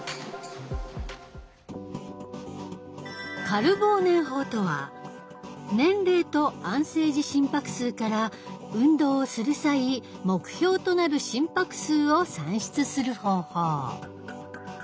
カルボーネン法とは年齢と安静時心拍数から運動をする際目標となる心拍数を算出する方法。